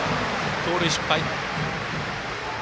盗塁失敗。